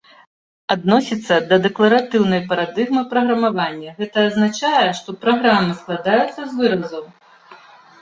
Адносіцца да дэкларатыўнай парадыгмы праграмавання, гэта азначае, што праграмы складаюцца з выразаў.